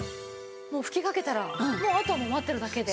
吹きかけたらもうあとは待ってるだけで。